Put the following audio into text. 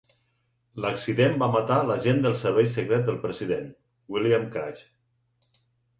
L'accident va matar l'agent del Servei Secret del president, William Craig.